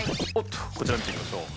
こちら見てみましょう。